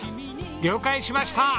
了解しました。